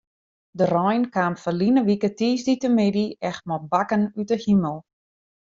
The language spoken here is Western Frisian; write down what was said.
De rein kaam ferline wike tiisdeitemiddei echt mei bakken út de himel.